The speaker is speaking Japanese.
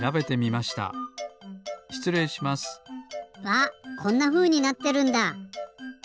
わっこんなふうになってるんだ！